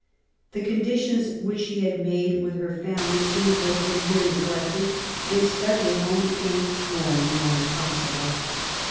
The conditions which she had made with her family seem to have been here neglected^ and study at home became more and more impossible.